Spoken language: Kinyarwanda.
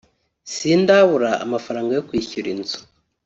sindabura amafaranga yo kwishyura inzu